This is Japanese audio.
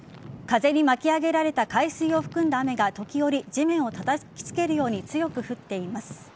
風に巻き上げられた海水を含んだ雨が時折地面をたたきつけるように強く降っています。